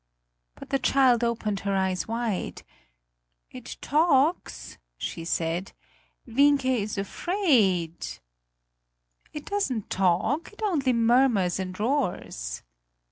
But the child opened her eyes wide. "It talks," she said. "Wienke is afraid!" "It doesn't talk; it only murmurs and roars!"